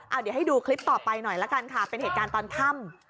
เอาเดี๋ยวให้ดูคลิปต่อไปหน่อยละกันค่ะเป็นเหตุการณ์ตอนค่ำ